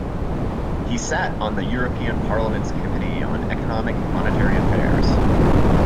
He sat on the European Parliament's Committee on Economic and Monetary Affairs.